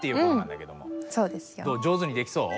上手にできそう？